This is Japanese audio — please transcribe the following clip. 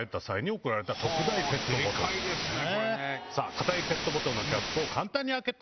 硬いペットボトルのキャップを簡単に開けたい。